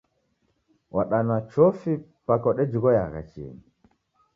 Wadanywa chofi paka udejighoyagha chienyi.